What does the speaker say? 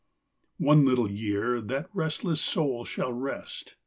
XXXIII. One little year ; that restless soul shall rest.